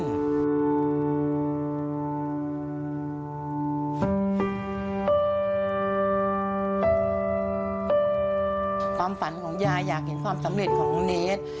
ความฝันของยายอยากเห็นความสำเร็จของลุงเนส